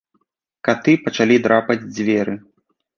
Каты пачалі драпаць дзверы.